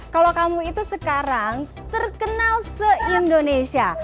kalau kamu itu sekarang terkenal se indonesia